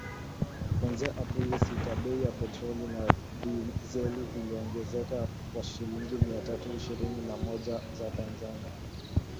Kuanzia Aprili sita, bei ya petroli na dizeli iliongezeka kwa shilingi mia tatu ishirini na moja za Tanzania.